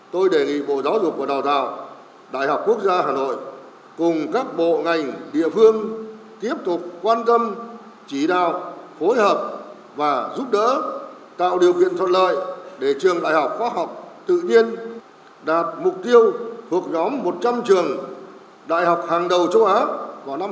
tôi đề nghị bộ giáo dục và đào tạo đại học quốc gia hà nội cùng các bộ ngành địa phương tiếp tục quan tâm chỉ đạo phối hợp và giúp đỡ tạo điều kiện thuận lợi để trường đại học khoa học tự nhiên đạt mục tiêu thuộc nhóm một trăm linh trường đại học hàng đầu châu á vào năm hai nghìn hai mươi hai